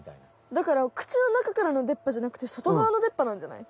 だから口の中からのでっ歯じゃなくてそとがわのでっ歯なんじゃない？